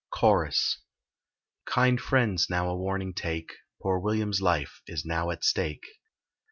CHORUS. Kind friends, now a warning take Poor William's life is now at stake.